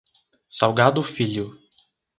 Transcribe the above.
Salgado Filho